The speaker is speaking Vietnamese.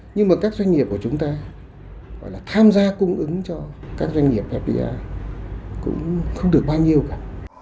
nhưng mà các doanh nghiệp của chúng ta gọi là tham gia cung ứng cho các doanh nghiệp fdi cũng không được bao nhiêu cả